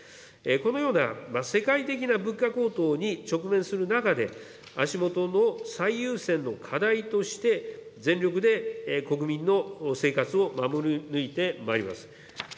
このような世界的な物価高騰に直面する中で、足下の最優先の課題として、全力で国民の生活を守り抜いてまいります。